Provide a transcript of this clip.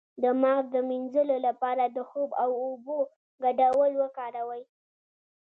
د مغز د مینځلو لپاره د خوب او اوبو ګډول وکاروئ